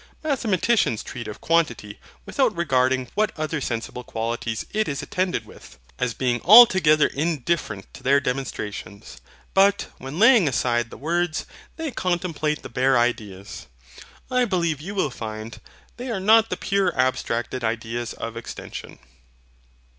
Mathematicians treat of quantity, without regarding what other sensible qualities it is attended with, as being altogether indifferent to their demonstrations. But, when laying aside the words, they contemplate the bare ideas, I believe you will find, they are not the pure abstracted ideas of extension.